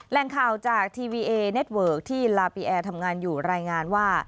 แหล่งข่าวจากทีวีเอเน็ตเวิร์กที่ลาปีแอร์ทำงานอยู่รายงานว่า